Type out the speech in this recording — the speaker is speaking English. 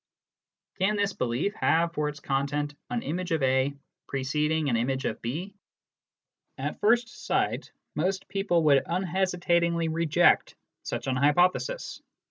Can this belief have for its content an image of A preceding an image of B ? At first sight, most people would unhesitat HOW PROPOSITIONS MEAN. 41 ingly reject such an hypothesis.